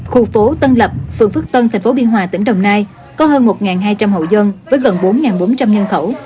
khu phố tân lập phường phước tân tp biên hòa tỉnh đồng nai có hơn một hai trăm linh hộ dân với gần bốn bốn trăm linh nhân khẩu